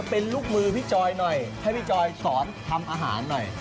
โป้มยำปลาพัง